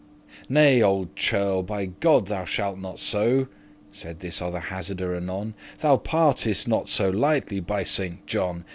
"Nay, olde churl, by God thou shalt not so," Saide this other hazardor anon; "Thou partest not so lightly, by Saint John.